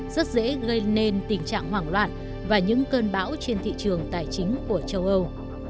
rất dễ gây nên tình trạng hoảng loạn và những cơn bão trên thị trường tài chính của châu âu